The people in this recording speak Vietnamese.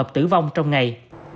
tử vong trong ngày